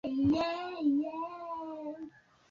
harison amejitamba kwamba david hey